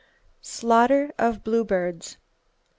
Slaughter Of Bluebirds.